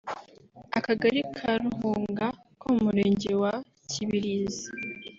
akagari ka Ruhunga ko mu murenge wa kibirizi